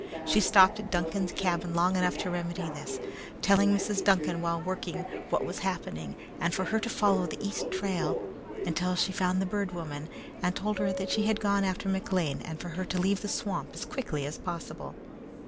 She stopped at Duncan's cabin long enough to remedy this, telling Mrs. Duncan while working what was happening, and for her to follow the east trail until she found the Bird Woman, and told her that she had gone after McLean and for her to leave the swamp as quickly as possible.